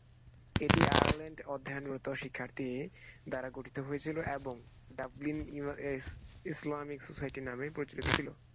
এটি আয়ারল্যান্ডে অধ্যয়নরত শিক্ষার্থীদের দ্বারা গঠিত হয়েছিল এবং ডাবলিন ইসলামিক সোসাইটি নামে পরিচিত ছিল।